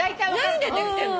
何でできてんの？